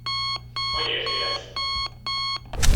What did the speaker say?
Hogy érti ezt?